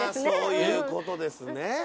そういう事ですね。